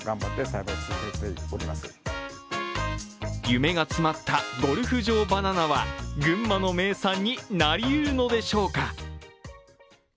夢が詰まったゴルフ場バナナは、群馬の名産になりうるのでしょうか。